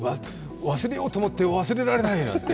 忘れようと思って忘れられない！って。